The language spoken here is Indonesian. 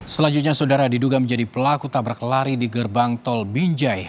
selanjutnya saudara diduga menjadi pelaku tabrak lari di gerbang tol binjai